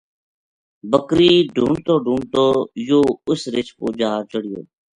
بکری ڈُھونڈتو ڈُھونڈتو یوہ اس رِچھ پو جا چَڑہیو